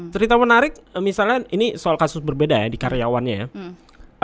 cerita menarik misalnya ini soal kasus berbeda ya di karyawannya ya